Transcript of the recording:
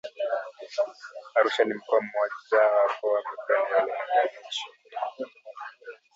Arusha ni mkoa mmoja wapo wa mikoa inayolima viazi lishe